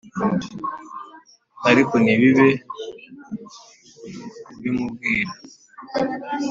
ariko ntibibe kubimubwira